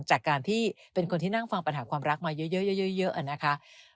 จากการที่เป็นคนที่นั่งฟังปัญหาความรักมาเยอะนะคะ